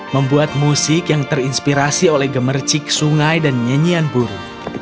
membuat musik yang terinspirasi oleh gemercik sungai dan nyanyian burung